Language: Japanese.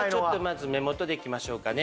まず目元でいきましょうかね。